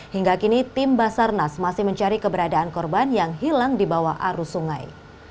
hingga kini tim basarnas masih mencari keberadaan korban yang hilang di bawah arus sungai